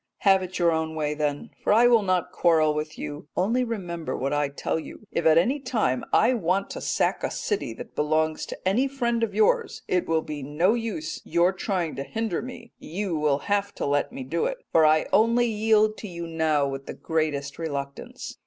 Have it your own way then, for I will not quarrel with you only remember what I tell you: if at any time I want to sack a city that belongs to any friend of yours, it will be no use your trying to hinder me, you will have to let me do it, for I only yield to you now with the greatest reluctance.